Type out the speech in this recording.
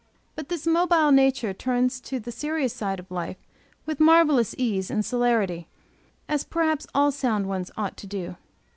But this mobile nature turns to the serious side of life with marvelous ease and celerity, as perhaps all sound ones ought to do.